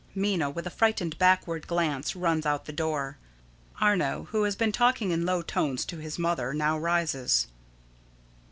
[_Minna, with a frightened backward glance, runs out the door. Arno, who has been talking in low tones to his mother, now rises.